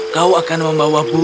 kau akan membawaku kembali